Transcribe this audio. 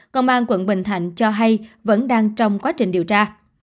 công an quận bình thạnh cho hay vẫn đang trong quá trình điều tra